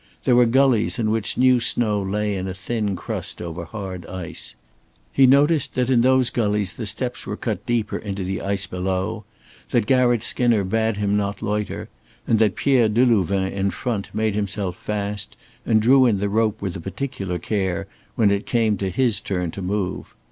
There were gullies in which new snow lay in a thin crust over hard ice. He noticed that in those gullies the steps were cut deep into the ice below, that Garratt Skinner bade him not loiter, and that Pierre Delouvain in front made himself fast and drew in the rope with a particular care when it came to his turn to move.